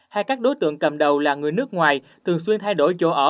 hay các đối tượng cầm đầu là người nước ngoài thường xuyên thay đổi chỗ ở